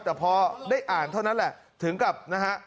แต่พอได้อ่านเท่านั้นแหละถึงกับนะฮะ